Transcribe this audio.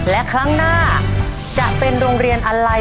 และครั้งหน้าจะเป็นโรงเรียนอะไร